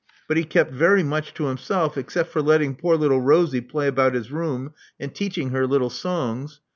But he kept very much to himself except for letting poor little Rosie play about his room, and teaching her little songs.